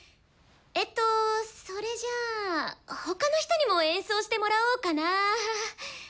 えっとそれじゃあ他の人にも演奏してもらおうかな。